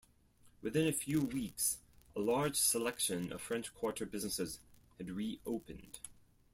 Within a few weeks, a large selection of French Quarter businesses had reopened.